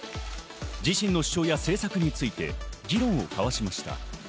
自身の主張や政策について議論を交わしました。